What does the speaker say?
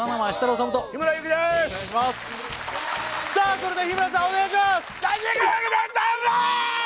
それでは日村さんお願いします！